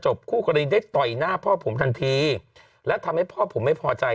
คู่กรณีได้ต่อยหน้าพ่อผมทันทีและทำให้พ่อผมไม่พอใจ